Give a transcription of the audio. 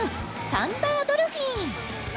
サンダードルフィン